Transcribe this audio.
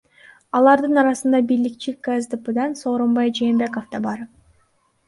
Алардын арасында бийликчил КСДПдан Сооронбай Жээнбеков да бар.